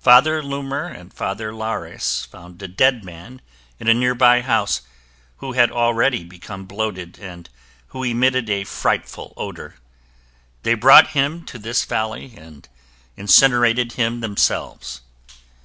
Father Luhmer and Father Laures found a dead man in a nearby house who had already become bloated and who emitted a frightful odor. They brought him to this valley and incinerated him themselves.